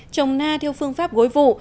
trồng na theo phương pháp gối vụ